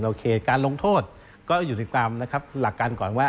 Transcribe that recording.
โอเคการลงโทษก็อยู่ในความนะครับหลักการก่อนว่า